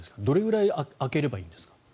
どれぐらい空ければいいんですか？